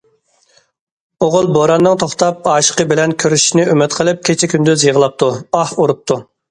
ئوغۇل بوراننىڭ توختاپ ئاشىقى بىلەن كۆرۈشۈشىنى ئۈمىد قىلىپ، كېچە- كۈندۈز يىغلاپتۇ، ئاھ ئۇرۇپتۇ.